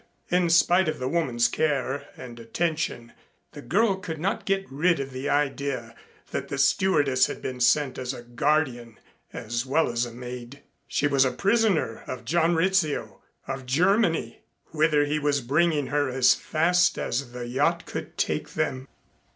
In spite of the woman's care and attention the girl could not get rid of the idea that the stewardess had been sent as a guardian as well as a maid. She was a prisoner of John Rizzio, of Germany, whither he was bringing her as fast as the yacht could take them.